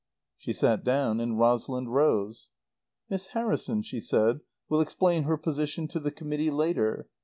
She sat down; and Rosalind rose. "Miss Harrison," she said, "will explain her position to the Committee later.